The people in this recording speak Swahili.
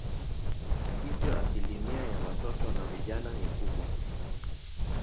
Hivyo asilimia ya watoto na vijana ni kubwa.